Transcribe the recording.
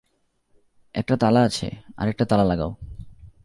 একটা তালা আছে, আরেকটা তালা লাগাও।